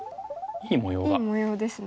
いい模様ですね。